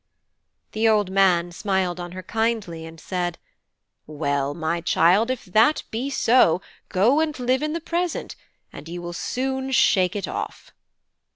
The old man smiled on her kindly, and said: "Well, my child, if that be so, go and live in the present, and you will soon shake it off."